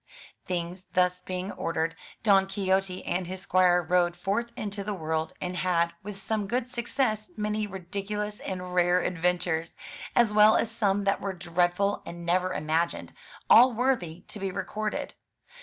Things being thus ordered, Don Quixote and his squire rode forth into the world, and had, with some good success, many ridiculous and rare adventures, as well as some that were dreadful and never imagined — all worthy to be recorded.